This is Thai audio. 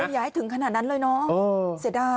อย่าให้ถึงขนาดนั้นเลยน้องเสียดาย